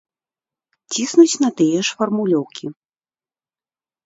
Ціснуць на тыя ж фармулёўкі.